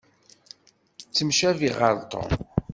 Ttemcabiɣ ɣer Tom.